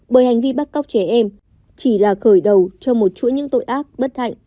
bởi hành vi bắt cóc trẻ em chỉ là khởi đầu cho một chuỗi những tội ác bất hạnh